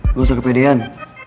gak usah kepedean